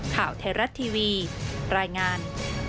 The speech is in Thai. ข่าวไทยรัฐทีวีรายงาน